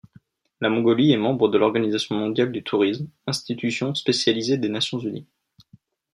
La Mongolie est membre de l'Organisation mondiale du tourisme, institution spécialisée des Nations unies.